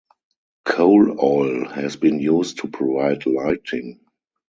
Coal oil has been used to provide lighting.